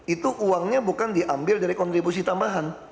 itu uangnya bukan diambil dari kontribusi tambahan